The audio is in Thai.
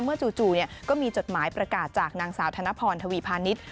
จู่ก็มีจดหมายประกาศจากนางสาวธนพรทวีพาณิชย์